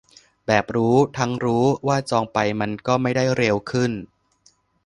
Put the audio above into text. แบบรู้ทั้งรู้ว่าจ้องไปมันก็ไม่ได้เร็วขึ้น